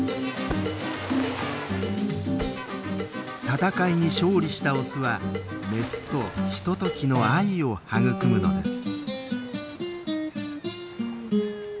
闘いに勝利したオスはメスとひとときの愛を育むのです。